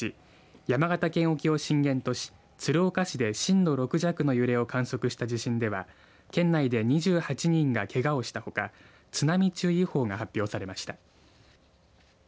山形県沖を震源とし鶴岡市で震度６弱の揺れを観測した地震では県内で２８人がけがをしたほか津波注意報が発表されました。